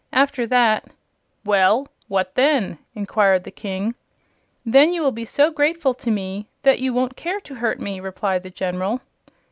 After that " "Well, what then?" inquired the King. "Then you will be so grateful to me that you won't care to hurt me," replied the General.